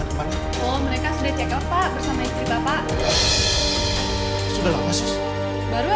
ini semua salah bagus bu